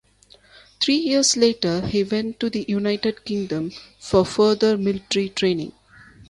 Three years later he went to the United Kingdom for further military training.